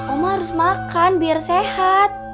oma harus makan biar sehat